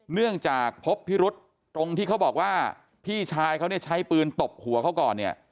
เนื่องจากพบพิรุษตรงที่เขาบอกว่าพี่ชายเขาเนี่ยใช้ปืนตบหัวเขาก่อนเนี่ย